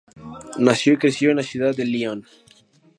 Nació y creció en la ciudad de Lyon.